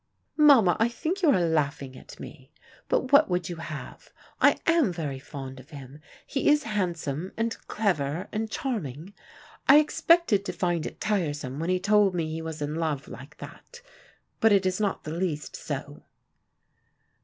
"Mama, I think you are laughing at me. But what would you have? I am very fond of him, he is handsome and clever and charming. I expected to find it tiresome when he told me he was in love like that, but it is not the least so."